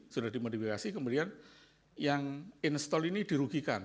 sudah dimodifikasi kemudian yang install ini dirugikan